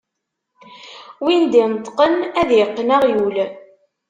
Win d-ineṭqen, ad iqqen aɣyul.